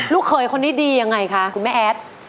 ลูกเขยคนที่ดีอย่างไรคะคุณแม่แอ๊ด